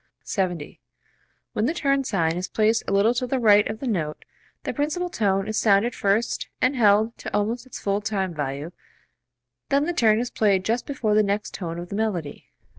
45.] [Illustration: Fig. 46.] 70. When the turn sign is placed a little to the right of the note the principal tone is sounded first and held to almost its full time value, then the turn is played just before the next tone of the melody.